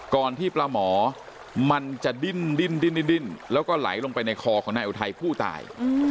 ที่ปลาหมอมันจะดิ้นแล้วก็ไหลลงไปในคอของนายอุทัยผู้ตาย